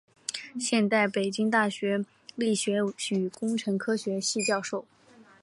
现为北京大学力学与工程科学系教授。